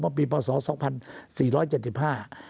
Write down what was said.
เมื่อปีภาษาสองสี่ร้อยเจ็ดิบห้า